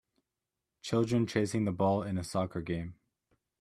Children chasing the ball in a soccer game.